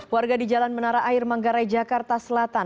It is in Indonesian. warga di jalan menara air manggarai jakarta selatan